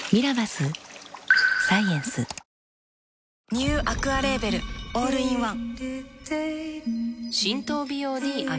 ニューアクアレーベルオールインワン